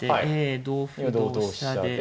同歩同飛車で。